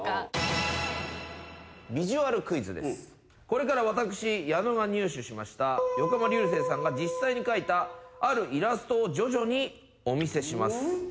これから私ヤノが入手しました横浜流星さんが実際に描いたあるイラストを徐々にお見せします。